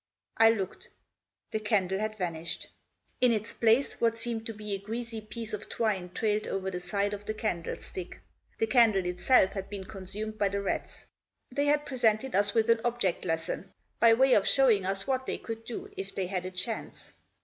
I looked; the candle had vanished. In its place 7 * 100 THE JOSS. what seemed to be a greasy piece of twine trailed over the side of the candlestick The candle itself had been consumed by the rats; they had presented us with an object lesson, by way of showing us what they could do if they had a chance.